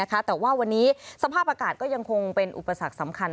แต่ว่าวันนี้สภาพอากาศก็ยังคงเป็นอุปสรรคสำคัญ